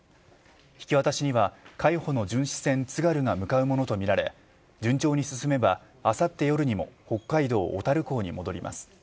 引き渡しには海保の「巡視船つがる」が向かうものとみられ順調に進めば、あさって夜にも北海道小樽港に戻ります。